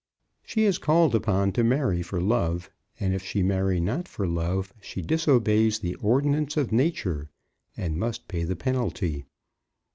She is called upon to marry for love, and if she marry not for love, she disobeys the ordinance of nature and must pay the penalty.